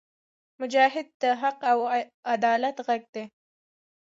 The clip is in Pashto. مجاهد د حق او عدالت غږ دی.